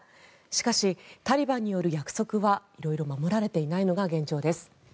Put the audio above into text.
しかし、タリバンによる約束は色々守られていないのが現状です。